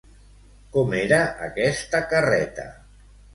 Com era aquesta carreta?